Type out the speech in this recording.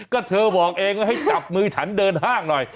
ก็เธอบอกเองว่าให้จับมือฉันเดินห้างหน่อย